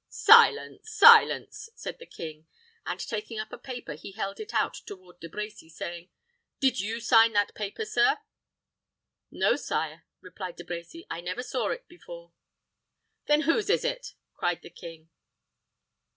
"Silence! silence!" said the king; and taking up a paper, he held it out toward De Brecy, saying, "Did you sign that paper, sir?" "No, sire," replied De Brecy; "I never saw it before." "Then whose is it?" cried the king.